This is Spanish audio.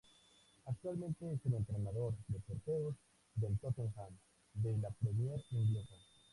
Actualmente es el entrenador de porteros del Tottenham de la Premier inglesa.